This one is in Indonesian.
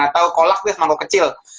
atau kolak gas mangkuk kecil